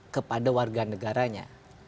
kepada warga negaranya